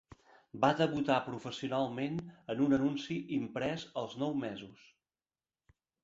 Va debutar professionalment en un anunci imprès als nou mesos.